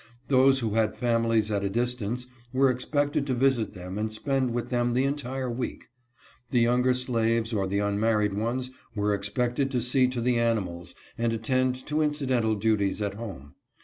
Those who had families at a distance were expected to visit them and spend with them the entire week. The younger slaves or the unmarried ones were expected to see to the animals and attend to incidental duties at home.